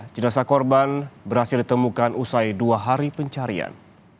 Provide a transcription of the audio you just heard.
jenazah korban berhasil ditemukan usai dua hari pencarian